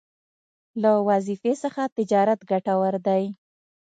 له وظيفې څخه تجارت ګټور دی